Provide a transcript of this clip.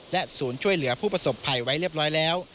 ศูนย์ช่วยเหลือผู้ประสบภัยไว้เรียบร้อยแล้ว